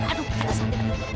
aduh kena sakit